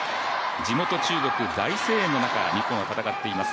地元・中国、大声援の中日本は戦っています。